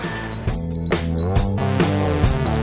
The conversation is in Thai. สวัสดีครับ